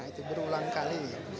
itu berulang kali